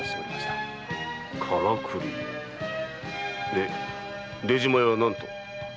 で出島屋は何と？